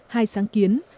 hai sáng kiến